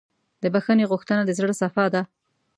د بښنې غوښتنه د زړۀ صفا ده.